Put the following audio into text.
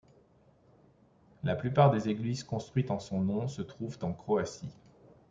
La plupart des églises construites en son nom se trouvent en Croatie.